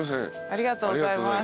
ありがとうございます。